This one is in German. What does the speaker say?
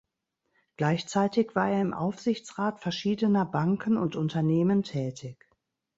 Gleichzeitig war er im Aufsichtsrat verschiedener Banken und Unternehmen tätig.